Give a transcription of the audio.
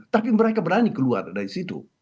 tapi mereka berani keluar dari situ